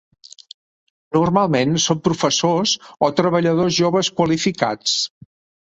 Normalment són professors o treballadors joves qualificats.